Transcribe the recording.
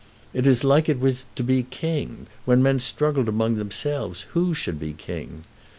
It is like it was to be king, when men struggled among themselves who should be king.